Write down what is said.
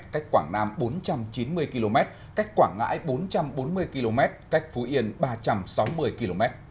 cách quảng nam bốn trăm chín mươi km cách quảng ngãi bốn trăm bốn mươi km cách phú yên ba trăm sáu mươi km